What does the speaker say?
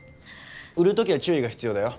売る時は注意が必要だよ。